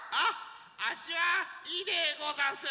あっしはいいでござんす。